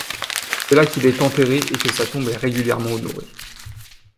C'est là qu'il est enterré, et que sa tombe est régulièrement honorée.